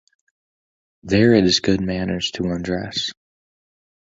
There it is good manners to undress.